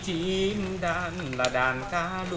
chữ chim đan là đàn ca đu